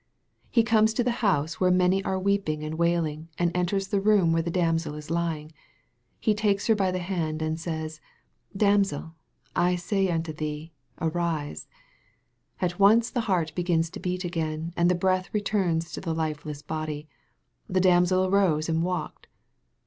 He comes to the house where many are weeping and wailing, and enters the room where the damsel is lying. He takes her by the hand, and says, " Damsel, I say unto thee Arise." At once the heart begins to beat again, and the breath returns to the lifeless body. " The damsel arose and walked."